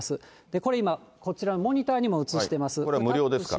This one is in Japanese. これ今、こちら、モニターにも映してます。